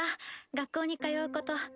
学校に通うこと。